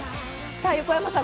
さあ横山さん